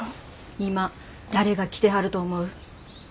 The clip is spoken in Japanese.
今誰が来てはると思う？